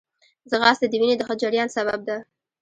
ځغاسته د وینې د ښه جریان سبب ده